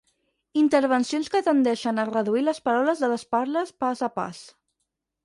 Intervencions que tendeixen a reduir les paraules de les parles pas a pas.